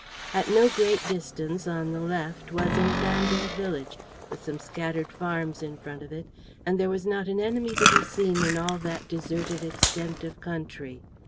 At no great distance, on the left, was an abandoned village, with some scattered farms in front of it, and there was not an enemy to be seen in all that deserted extent of country.